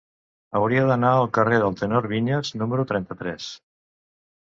Hauria d'anar al carrer del Tenor Viñas número trenta-tres.